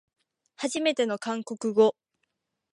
はじめての韓国語